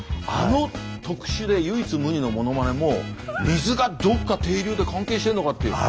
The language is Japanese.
あの特殊で唯一無二のものまねも水がどっか底流で関係してるのかって。